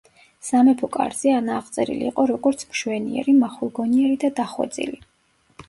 სამეფო კარზე ანა აღწერილი იყო როგორც: „მშვენიერი, მახვილგონიერი და დახვეწილი“.